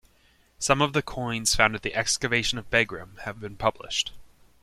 Some of the coins found at the excavation of Begram have been published.